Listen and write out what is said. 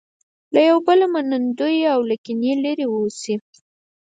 له یو بله منندوی او له کینې لرې اوسي.